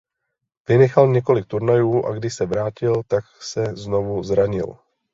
Vynechal několik turnajů a když se vrátil tak se znovu zranil.